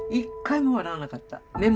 目も笑わなかった。